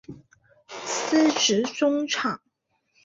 司职中场。